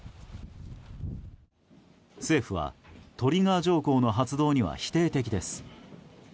政府はトリガー条項の発動には否定的です。